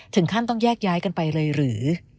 ถึงขั้นต้องแยกย้ายกันไปเลยหรือ